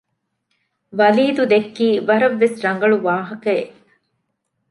ވަލީދު ދެއްކީ ވަރަށް ވެސް ރަނގަޅު ވާހަކައެއް